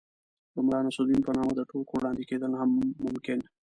د ملا نصر الدين په نامه د ټوکو وړاندې کېدل هم ممکن